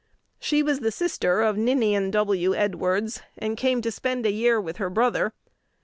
She was the sister of Ninian W. Edwards, and came to spend a year with her brother.